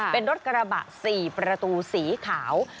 เป็นรถกระบะ๔ประตูสีขาว